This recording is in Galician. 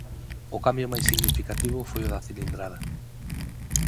O cambio máis significativo foi o da cilindrada.